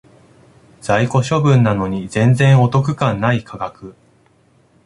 在庫処分なのに全然お得感ない価格